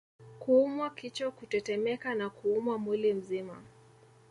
Kuumwa kichwa kutetemeka na kuumwa mwili mzima